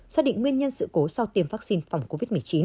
xác định nguyên nhân sự cố sau tiêm vaccine phòng covid một mươi chín